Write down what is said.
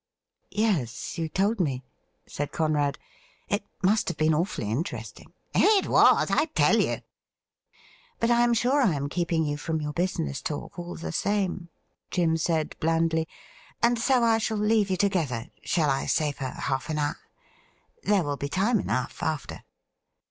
' Yes, you told me,' said Conrad. ' It must have been awfully interesting.' ' It was, I tell you.' ' But I am sure I am keeping you from your business talk all the same,' Jim said blandly, ' and so I shall leave you together — shall I say for half an hour ? There will be time enough after.'